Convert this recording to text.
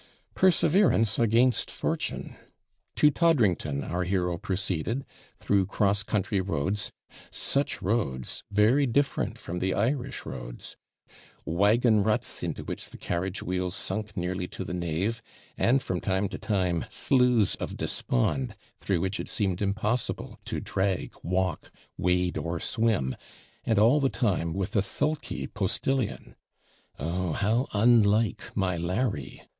'Perseverance against fortune.' To Toddrington our hero proceeded, through cross country roads such roads! very different from the Irish roads. Waggon ruts, into which the carriage wheels sunk nearly to the nave and, from time to time, 'sloughs of despond,' through which it seemed impossible to drag, walk, wade, or swim, and all the time with a sulky postillion. 'Oh, how unlike my Larry!'